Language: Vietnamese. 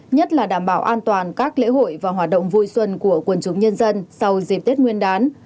nhất là đảm bảo an toàn các lễ hội và hoạt động vui xuân của quần chúng nhân dân sau dịp tết nguyên đán